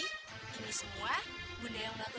oh ini rumah nenek kamu